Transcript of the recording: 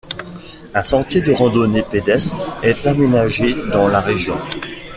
Un sentier de randonnée pédestre est aménagé dans la région.